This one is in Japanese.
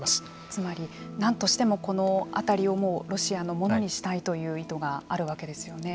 つまり、何としてもこの辺りをロシアのものにしたいという意図があるわけですよね。